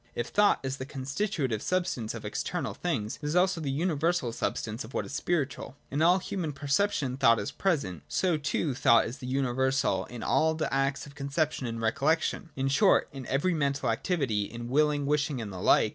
If thought is the constitutive substance of external things, it is also the universal substance of what is spiritual. In all human perception thought is present ; so too thought is the universal in all the acts of conception and recollection ; in short, in every mental activity, in willing, wishing and the like.